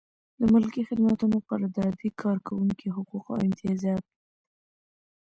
د ملکي خدمتونو قراردادي کارکوونکي حقوق او امتیازات.